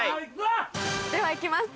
では行きます！